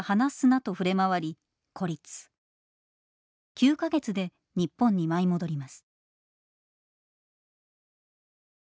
９か月で日本に舞い戻ります。